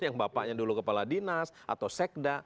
yang bapaknya dulu kepala dinas atau sekda